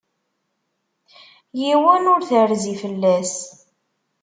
Yiwen ur terzi fell-as.